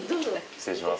失礼します。